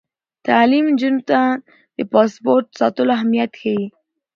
تعلیم نجونو ته د پاسورډ ساتلو اهمیت ښيي.